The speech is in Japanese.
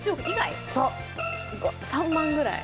３万ぐらい？